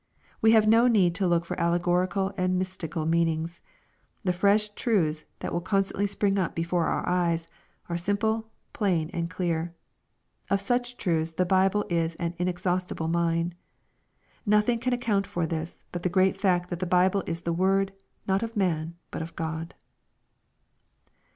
We have no need to look for allegorical and mystical meanings. The fresh truths that will constantly spring up before our eyes, are simple, plain, and clear. Of such truths the Bible is an inexhaustible mine. Nothing can account for this, but the great fact, that the Bible is the word, not of man, but of God.